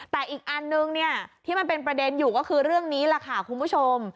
แต่อีกอันนึงเนี่ยที่มันเป็นประเด็นอยู่ก็คือเรื่องนี้แหละค่ะคุณผู้ชม